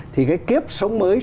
thì cái kiếp sống mới